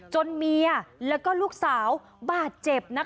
เมียแล้วก็ลูกสาวบาดเจ็บนะคะ